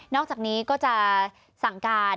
อกจากนี้ก็จะสั่งการ